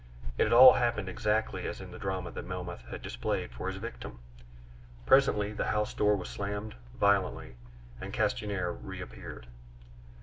It had all happened exactly as in the drama that Melmoth had displayed for his victim. Presently the house door was slammed violently, and Castanier reappeared.